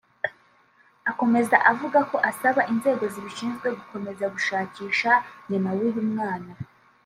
Akomeza avuga ko asaba inzego zibishinzwe gukomeza gushakisha nyina w’uyu mwana